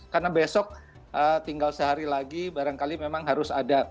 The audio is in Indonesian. karena besok tinggal sehari lagi barangkali memang harus ada